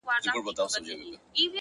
• له غرونو واوښتم، خو وږي نس ته ودرېدم ،